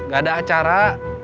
gak ada acara